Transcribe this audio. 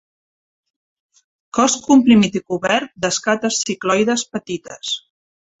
Cos comprimit i cobert d'escates cicloides petites.